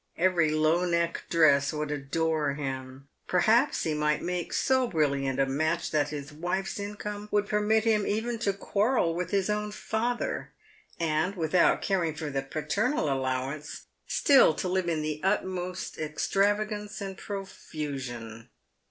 Every low neck dress would adore him. Perhaps he might make so brilliant a match that his wife's income would permit him even to quarrel with his own father, and, without caring for the paternal allowance, still to live in the utmost extravagance and profusion.